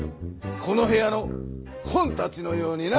この部屋の本たちのようにな！